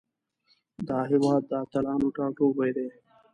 دا هیواد د اتلانو ټاټوبی ده.